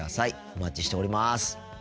お待ちしております。